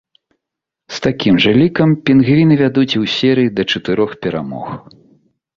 З такім жа лікам пінгвіны вядуць і ў серыі да чатырох перамог.